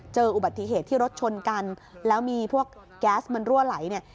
เจออุบัติเหตุที่รถชนกันแล้วมีพวกแก๊สมันรั่วไหลเนี่ย